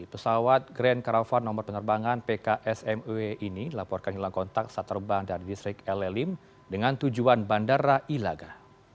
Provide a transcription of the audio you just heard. pesawat grand caravan nomor penerbangan pksmw ini laporkan hilang kontak saat terbang dari distrik llim dengan tujuan bandara ilaga